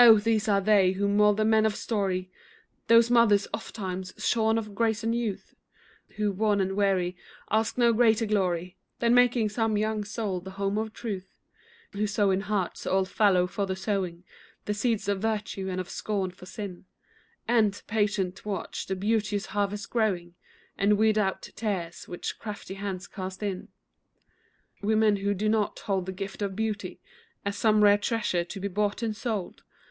these are they who mould the men of story, These mothers, ofttimes shorn of grace and youth, Who, worn and weary, ask no greater glory Than making some young soul the home of truth; Who sow in hearts all fallow for the sowing The seeds of virtue and of scorn for sin, And, patient, watch the beauteous harvest growing And weed out tares which crafty hands cast in; Women who do not hold the gift of beauty As some rare treasure to be bought and sold.